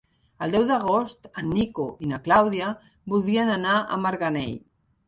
El deu d'agost en Nico i na Clàudia voldrien anar a Marganell.